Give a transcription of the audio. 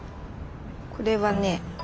これはね